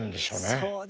そうですね。